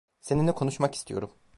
Seninle konuşmak istiyorum.